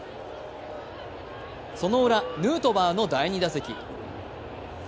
そのウラ、ヌートバーの第２打席。